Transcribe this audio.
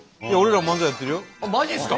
マジっすか？